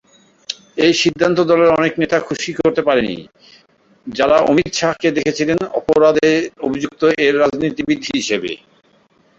এই সিদ্ধান্ত দলের অনেক নেতা খুশি করতে পারে নি যারা অমিত শাহকে দেখেছিলেন অপরাধে অভিযুক্ত এর রাজনীতিবিদ হিসেবে।